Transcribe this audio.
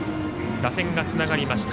打線がつながりました。